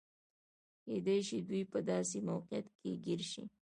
کېدای شي دوی په داسې موقعیت کې ګیر شي.